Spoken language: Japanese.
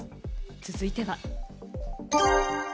続いては。